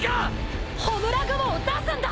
焔雲を出すんだ！